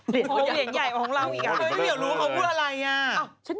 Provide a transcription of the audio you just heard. เขาเหลียนใหญ่ของเราอีกครับเพราะว่าพี่เหมียวรู้เขาพูดอะไรน่ะ